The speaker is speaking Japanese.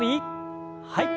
はい。